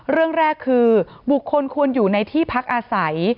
เรื่องแรกคือบุคคลควรอยู่ในที่พักอาศัย